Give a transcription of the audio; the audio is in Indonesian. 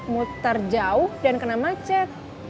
muter jauh dan kena macet